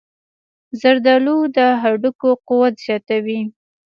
زردآلو د هډوکو قوت زیاتوي.